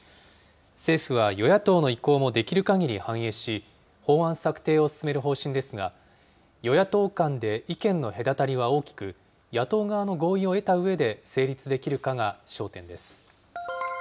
政府は与野党の意向もできるかぎり反映し、法案策定を進める方針ですが、与野党間で意見の隔たりは大きく、野党側の合意を得たうえで、成立できるかが焦点です。